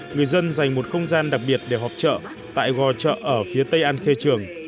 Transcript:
người dân dành một không gian đặc biệt để họp chợ tại gò chợ ở phía tây an khê trường